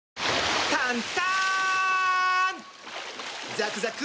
ザクザク！